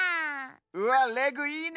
うわレグいいね！